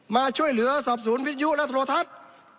มาช่วยเหลือสอบสวนวิทยุและโทรทัศน์